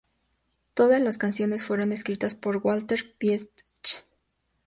Todas las canciones fueron escritas por Walter Pietsch.